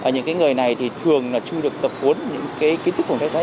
những người này thì thường chưa được tập huấn những kiến thức phòng cháy chữa cháy